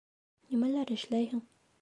Нимәләр эшләйһең?